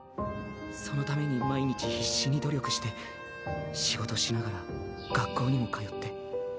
そのために毎日必死に努力して仕事しながら学校にも通って。